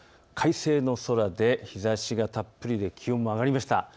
快晴の空で日ざしがたっぷりで気温も上がりました。